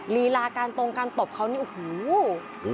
ลีลาการตรงการตบเขานี่โอ้โห